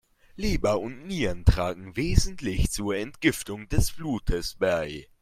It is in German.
Leber und Nieren tragen wesentlich zur Entgiftung des Blutes bei.